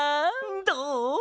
どう？